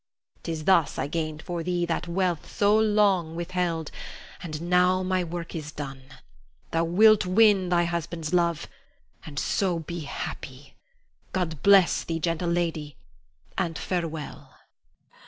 'Tis thus I gained for thee that wealth so long withheld; and now my work is done. Thou wilt win thy husband's love, and so be happy. God bless thee, gentle lady, and farewell.